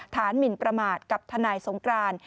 หมินประมาทกับทนายสงกราน